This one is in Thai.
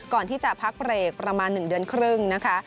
ก่อนที่จะพักเบรกประมาณ๑เดือนครึ่งนะคะ